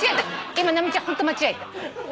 今直美ちゃんホント間違えた。